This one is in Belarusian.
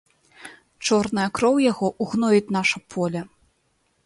Чорная кроў яго ўгноіць наша поле.